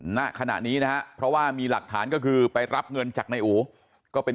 ณขณะนี้นะฮะเพราะว่ามีหลักฐานก็คือไปรับเงินจากนายอู๋ก็เป็น